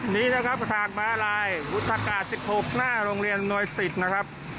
นี้นะครับทางม้าลายวุฒากาศ๑๖หน้าโรงเรียนหน่วยสิตนะครับ